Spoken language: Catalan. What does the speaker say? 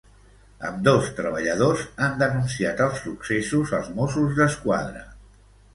Ambdós treballadors han denunciat els successos als Mossos d'Esquadra.